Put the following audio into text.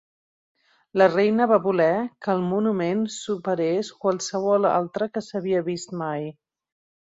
La reina va voler que el monument superés qualsevol altre que s'havia vist mai.